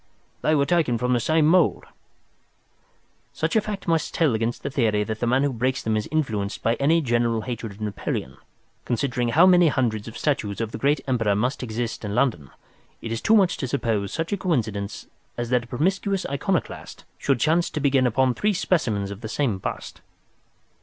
"They were taken from the same mould." "Such a fact must tell against the theory that the man who breaks them is influenced by any general hatred of Napoleon. Considering how many hundreds of statues of the great Emperor must exist in London, it is too much to suppose such a coincidence as that a promiscuous iconoclast should chance to begin upon three specimens of the same bust."